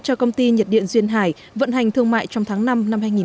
cho công ty nhiệt điện duyên hải vận hành thương mại trong tháng năm năm hai nghìn hai mươi